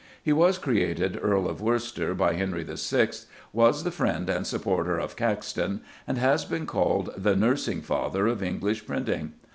He was created Earl of Worcester by Henry VI., was the friend and supporter of Caxton, and has been called "the nursing father of English printing."